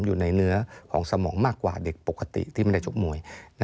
อยู่ในเนื้อของสมองมากกว่าเด็กปกติที่ไม่ได้ชกมวย